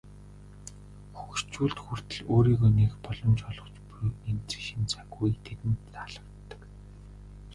Хөгшчүүлд хүртэл өөрийгөө нээх боломж олгож буй энэ шинэ цаг үе тэдэнд таалагддаг.